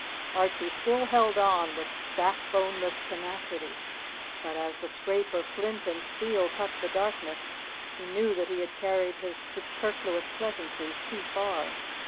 Archie still held on with back boneless tenacity; but as the scrape of flint and steel cut the darkness, he knew that he had carried his superfluous pleasantries too far.